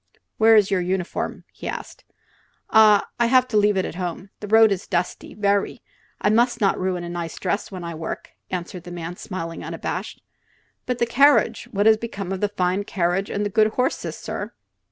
"Where's your uniform?" he asked. "Ah, I have leave it home. The road is dusty, very; I must not ruin a nice dress when I work," answered the man, smiling unabashed. "But the carriage. What has become of the fine carriage and the good horses, sir?"